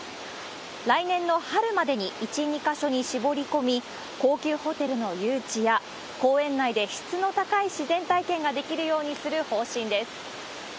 来年の春までに１、２か所に絞り込み、高級ホテルの誘致や公園内で質の高い自然体験ができるようにする方針です。